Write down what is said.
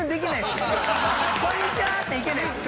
「こんにちは！」って行けないです。